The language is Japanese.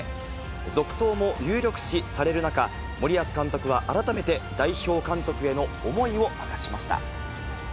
続投も有力視される中、森保監督は改めて代表監督への思いを明かしました。